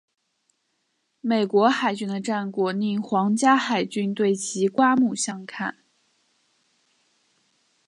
美国海军的战果令皇家海军对其刮目相看。